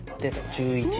１１。